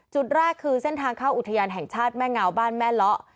จุดแรกคือเส้นทางเข้าอุทยานแห่งชาติแม่เงาบ้านแม่เลาะ